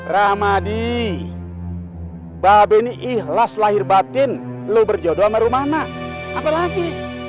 ramadi bang robby ini ikhlas lahir batin lo berjodoh sama rumana apa lagi